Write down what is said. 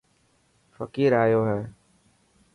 فقير ايو هي.